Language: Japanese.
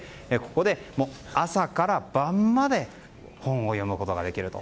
ここで朝から晩まで本を読むことができると。